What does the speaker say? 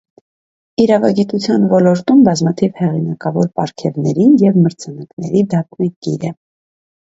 Իրավագիտության ոլորտում բազմաթիվ հեղինակավոր պարգևների և մրցանակների դափնեկիր է։